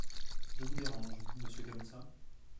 Je vous dérange, monsieur Caboussat ?